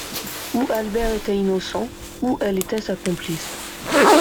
Ou Albert était innocent, ou elle était sa complice.